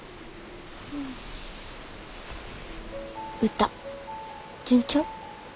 歌順調？